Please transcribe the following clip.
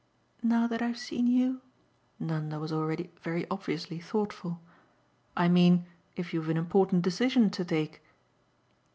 "Now that I've seen you?" Nanda was already very obviously thoughtful. "I mean if you've an important decision to take."